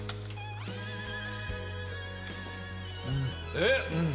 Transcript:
えっ？